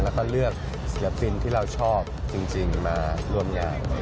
แล้วก็เลือกศิลปินที่เราชอบจริงมาร่วมงาน